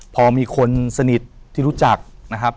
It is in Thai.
พอมีคนสนิทที่รู้จักนะครับ